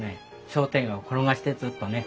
商店街を転がしてずっとね